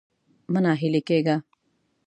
مه ناهيلی کېږه.